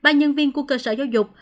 ba nhân viên của cơ sở giáo dục